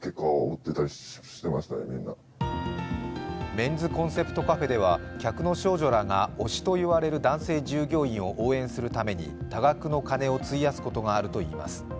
メンズコンセプトカフェでは客の少女らが推しといわれる男性従業員を応援するために、多額の金を費やすことがあるといいます。